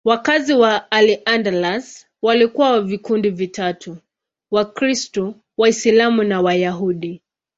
Wakazi wa Al-Andalus walikuwa wa vikundi vitatu: Wakristo, Waislamu na Wayahudi.